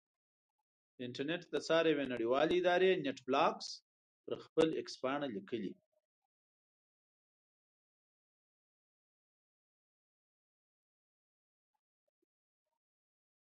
د انټرنېټ د څار یوې نړیوالې ادارې نېټ بلاکس پر خپل ایکس پاڼه لیکلي.